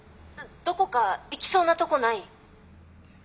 どこか行きそうなとこない？